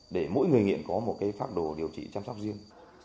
để mỗi người nghiện có một pháp đồ điều trị chăm sóc riêng